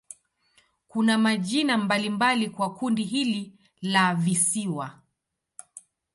Kuna majina mbalimbali kwa kundi hili la visiwa.